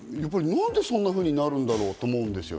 何でそんなふうになるんだろうと思うんです。